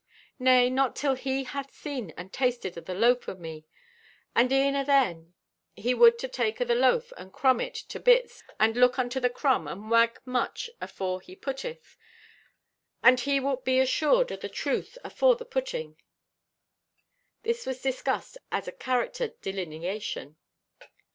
Nay, not till he hath seen and tasted o' the loaf o' me; and e'en athen he would to take o' the loaf and crumb o' it to bits and look unto the crumb and wag much afore he putteth. And he wilt be assured o' the truth afore the putting." This was discussed as a character delineation.